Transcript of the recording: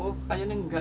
oh ayah enggak